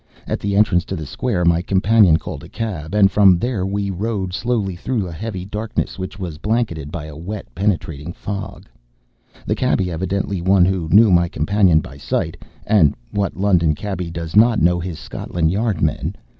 At the entrance to the square my companion called a cab; and from there on we rode slowly, through a heavy darkness which was blanketed by a wet, penetrating fog. The cabby, evidently one who knew my companion by sight (and what London cabby does not know his Scotland Yard men!)